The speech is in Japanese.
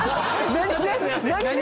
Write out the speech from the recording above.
何？